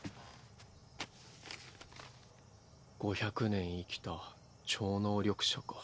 ５００年生きた超能力者か。